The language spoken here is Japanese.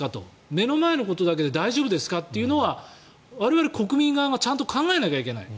目の前のことだけで大丈夫ですかというのは我々、国民側がちゃんと考えないといけない。